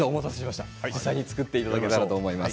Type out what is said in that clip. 実際に作っていただければと思います。